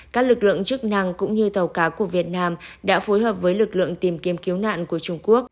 các lực lượng chức năng cũng như tàu cá của việt nam đã phối hợp với lực lượng tìm kiếm cứu nạn của trung quốc